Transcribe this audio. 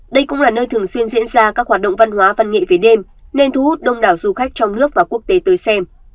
đây cũng là nơi thường xuyên diễn ra các hoạt động văn hóa văn nghệ về đêm nên thu hút đông đảo du khách trong nước và quốc tế tới xem